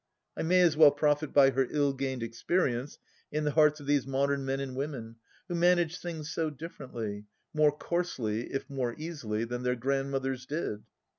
I may as well profit by her ill gained experience in the hearts of these modern men and women, who manage things so differently — ^more coarsely, if more easily — than their grandmothers did.